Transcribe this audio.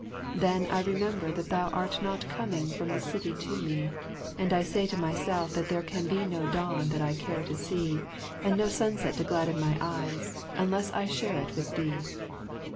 Then I remember that thou art not coming from the city to me, and I stay to myself that there can be no dawn that I care to see, and no sunset to gladden my eyes, unless I share it with thee.